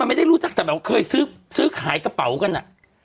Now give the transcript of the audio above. มันไม่ได้รู้จักแต่แบบเคยซื้อซื้อขายกระเป๋ากันอ่ะอ๋อ